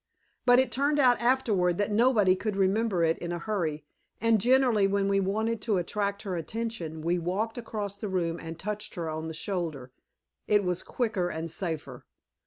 But it turned out afterward that nobody could remember it in a hurry, and generally when we wanted to attract her attention, we walked across the room and touched her on the shoulder. It was quicker and safer.